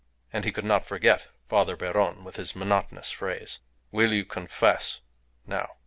And he could not forget Father Beron with his monotonous phrase, "Will you confess now?"